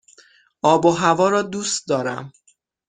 آب و هوا را دوست دارم.